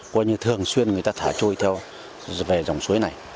coi như thường xuyên người ta thả trôi theo về dòng suối này